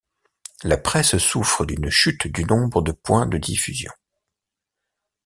La presse souffre d'une chute du nombre de points de diffusion.